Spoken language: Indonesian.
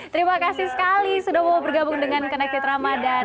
terima kasih sekali sudah mau bergabung dengan kena kit ramadhan